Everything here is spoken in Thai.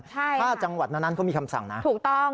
ถ้าจังหวัดนั้นเขามีคำสั่งนะถูกต้อง